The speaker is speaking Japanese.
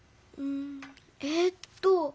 ええっと。